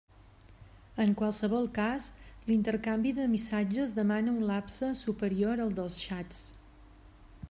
En qualsevol cas, l'intercanvi de missatges demana un lapse superior al dels xats.